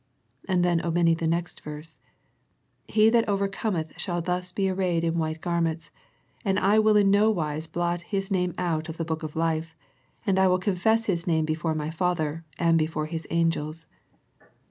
And then omitting the next verse, " He that overcometh shall thus be arrayed in white garments; and I will in no wise blot his name out of the book of life, and I will con fess his name before My Father, and before His angels."